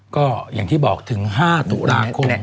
ก็อย่างที่บอกถึง๕ตุลาคม